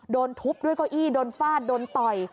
โดนทุบด้วยเก้าอี้โดนฟาดโดนต่อย